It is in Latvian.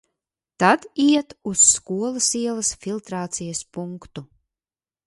Tad iet uz Skolas ielas filtrācijas punktu.